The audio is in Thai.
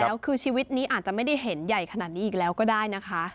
แล้วคือชีวิตนี้อาจจะไม่ได้เห็นใหญ่ขนาดนี้อีกแล้วก็ได้นะคะ